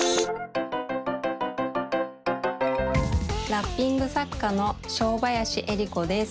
ラッピング作家の正林恵理子です。